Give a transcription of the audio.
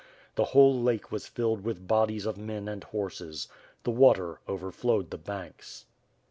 The whole lake was filled with bodies of men and horses. The water overflowed the banks.